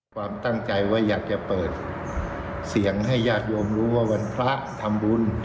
ความตั้งใจว่าอยากจะเปิดเสียงให้ญาติโยมรู้ว่าวันพระทำบุญ